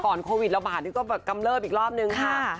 ก่อนโควิดเราผ่านที่กำเลิบอีกรอบนึงค่ะ